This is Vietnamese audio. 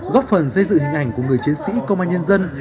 góp phần dây dự hình ảnh của người chiến sĩ công an nhân dân